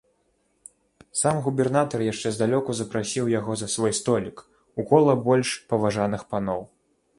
Сам губернатар яшчэ здалёку запрасіў яго за свой столік, у кола больш паважаных паноў.